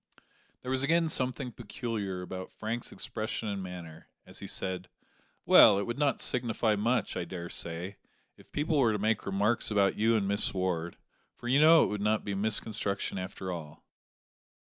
There was again something peculiar about Frank's expression and manner, as he said, "Well, it would not signify much, I daresay, if people were to make remarks about you and Miss Ward, for you know it would not be misconstruction after all."